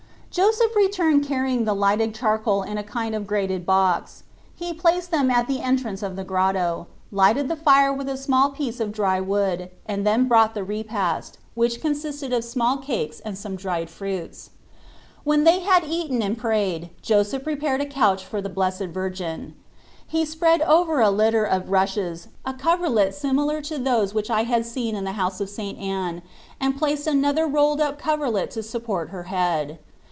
Joseph returned carrying the lighted charcoal in a kind of grated box. He placed them at the entrance of the grotto, lighted the fire with a small piece of dry wood, and then brought the repast, which consisted of small cakes and some dry fruits. When they had eaten and prayed Joseph prepared a couch for the Blessed Virgin. He spread over a litter of rushes a coverlet similar to those which I had seen in the house of St. Anne, and placed another rolled up coverlet to support her head.